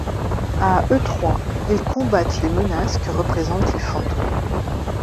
À eux trois, ils combattent les menaces que représentent les fantômes.